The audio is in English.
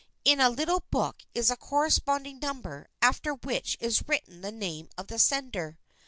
In a little book is a corresponding number after which is written the name of the sender.